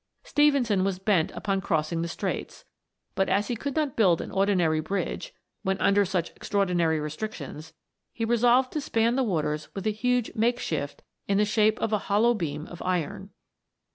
Stephenson was bent upon crossing the Straits ; but as he could not build an ordinary bridge, when under such ex traordinary restrictions, he resolved to span the waters with a huge makeshift in the shape of a hollow beam of iron.